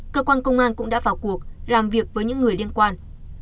cơ quan công an cũng đã vào cuộc làm việc với những người liên quan